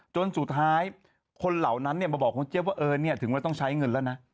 จนสุดท้ายคนเหล่านั้นมาบอกคุณเจี๊ยว่าเออเนี่ยถึงว่าต้องใช้เงินแล้วนะ